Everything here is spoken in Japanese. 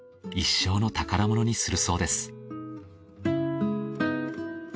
一生の宝物にするそうです。